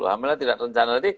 hamilnya tidak terencana